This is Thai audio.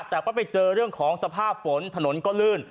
แต่ก็ไปเจอเรื่องของสภาพฝนถนนก็ลื่น